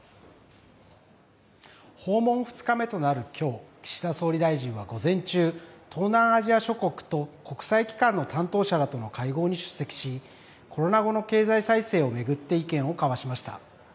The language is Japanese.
訪問２日目となるきょう、岸田総理大臣は午前中、東南アジア諸国と国際機関の担当者らとの会合に出席しコロナ後の経済再生を巡って意見を交わしました。